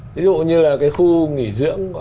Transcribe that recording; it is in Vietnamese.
thí dụ như là cái khu nghỉ dưỡng